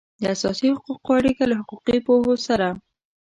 د اساسي حقوقو اړیکه له حقوقي پوهو سره